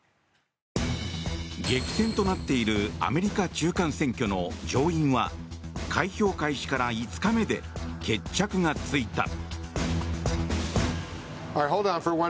激戦となっているアメリカ中間選挙の上院は開票開始から５日目で決着がついた。